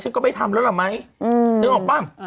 ฉันก็ไม่ทำแล้วล่ะไหม